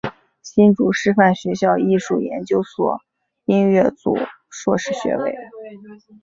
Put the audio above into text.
新竹师范学校艺术研究所音乐组硕士学位。